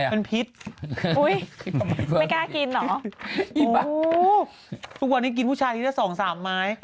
เป็นพิษอุ๊ยไม่กล้ากินเหรอโอ้โฮทุกวันนี้กินผู้ชายที่ได้๒๓ไม้